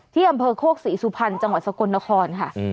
ที่อำเภอโคกศรีสุพรรณจังหวัดสกลนครค่ะ